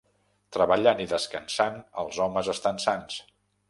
Treballant i descansant els homes estan sans.